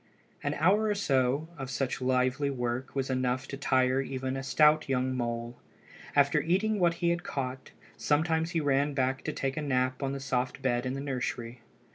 An hour or so of such lively work was enough to tire even a stout young mole. After eating what he had caught, sometimes he ran back to take a nap on the soft bed in the nursery.